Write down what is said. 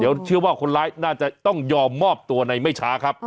เดี๋ยวเชื่อว่าคนร้ายน่าจะต้องยอมมอบตัวในไม่ช้าครับ